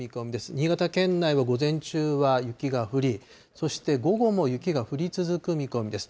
新潟県内は午前中は雪が降り、そして午後も雪が降り続く見込みです。